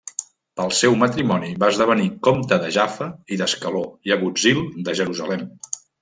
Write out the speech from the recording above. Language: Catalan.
Pel seu matrimoni va esdevenir comte de Jaffa i d'Ascaló i agutzil de Jerusalem.